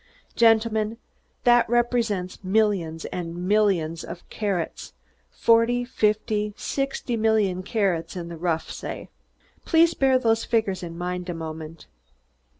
Gentlemen, that represents millions and millions of carats forty, fifty, sixty million carats in the rough, say. Please bear those figures in mind a moment.